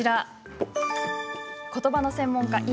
ことばの専門家